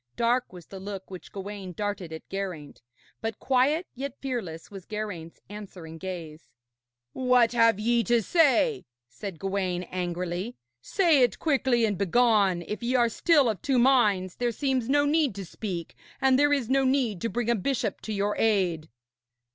Dark was the look which Gawaine darted at Geraint, but quiet yet fearless was Geraint's answering gaze. 'What ye have to say,' said Gawaine angrily, 'say it quickly and begone. If ye are still of two minds, there seems no need to speak, and there is no need to bring a bishop to your aid.'